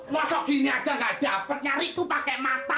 masa gini aja gak dapet nyari itu pakai mata